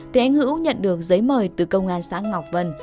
thế anh hữu nhận được giấy mời từ công an xã ngọc vân